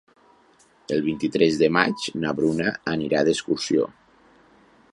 El vint-i-tres de maig na Bruna anirà d'excursió.